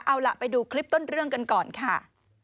เอาล่ะไปดูคลิปต้นเรื่องกันก่อนค่ะ